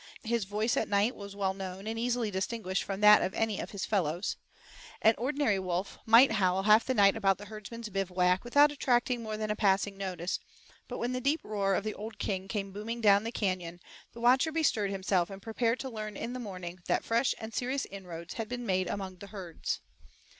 His voice at night was well known and easily distinguished from that of any of his fellows. An ordinary wolf might howl half the night about the herdsman's bivouac without attracting more than a passing notice, but when the deep roar of the old king came booming down the canon, the watcher bestirred himself and prepared to learn in the morning that fresh and serious inroads had been made among the herds.